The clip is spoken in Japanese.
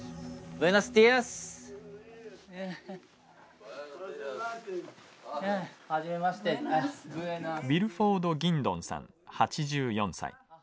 ウィルフォード・ギンドンさん８４歳。